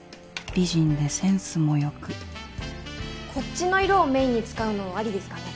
美人でセンスもよくこっちの色をメインに使うのはアリですかね。